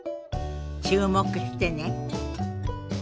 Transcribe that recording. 注目してね。